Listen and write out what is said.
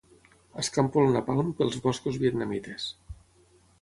Escampo el napalm pels boscos vietnamites.